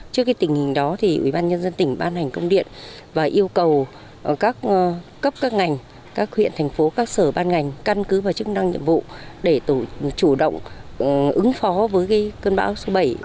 trước tình hình đó ubnd tỉnh ban hành công điện và yêu cầu các cấp các ngành các huyện thành phố các sở ban ngành căn cứ vào chức năng nhiệm vụ để chủ động ứng phó với cơn bão số bảy